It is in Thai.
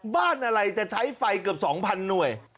บ้านอะไรจะใช้ไฟเกือบ๒๐๐หน่วย